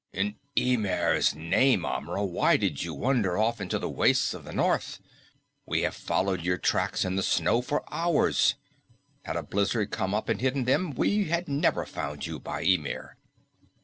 In Ymir's name, Amra, why did you wander off into the wastes of the north? We have followed your tracks in the snow for hours. Had a blizzard come up and hidden them, we had never found you, by Ymir!"